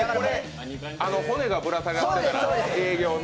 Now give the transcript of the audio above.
骨がぶら下がってたら営業の。